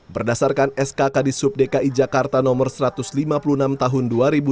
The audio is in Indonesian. berdasarkan sk kadis sub dki jakarta nomor satu ratus lima puluh enam tahun dua ribu dua puluh